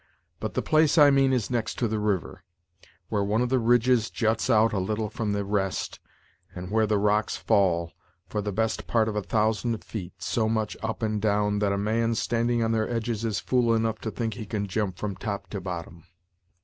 But the place I mean is next to the river, where one of the ridges juts out a little from the rest, and where the rocks fall, for the best part of a thousand feet, so much up and down, that a man standing on their edges is fool enough to think he can jump from top to bottom."